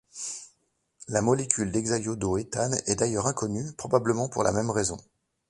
La molécule d'hexaiodoéthane est d'ailleurs inconnue, probablement pour la même raison.